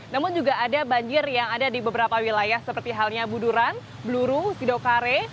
namun juga ada banjir yang ada di beberapa wilayah seperti halnya buduran bluru sidokare